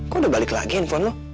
kok udah balik lagi handphone lo